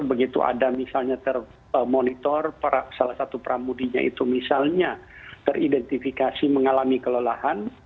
begitu ada misalnya termonitor salah satu pramudinya itu misalnya teridentifikasi mengalami kelelahan